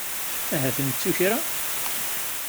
Ahat nettu kra?